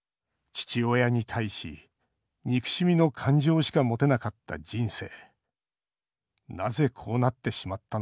父親に対し、憎しみの感情しか持てなかった人生。